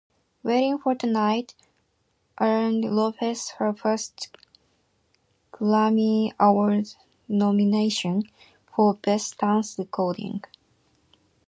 "Waiting for Tonight" earned Lopez her first Grammy Award nomination, for Best Dance Recording.